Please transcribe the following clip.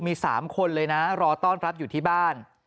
มี๓คนเลยนะรอต้อนรับอยู่ที่บ้าน